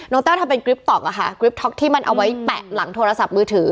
แต้วทำเป็นกริปต๊อกอะค่ะกริปท็อกที่มันเอาไว้แปะหลังโทรศัพท์มือถือ